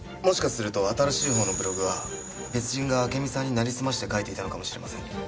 もしかすると新しいほうのブログは別人が暁美さんになりすまして書いていたのかもしれません。